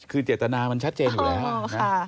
คือเจตนามันชัดเจนอยู่แล้วนะอ๋อค่ะอ้าว